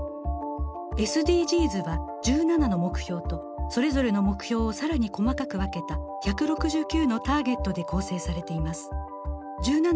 ＳＤＧｓは１７の目標とそれぞれの目標を更に細かく分けた１６９のターゲットで構成されています。